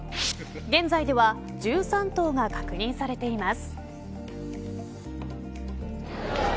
現在では１３頭が確認されています。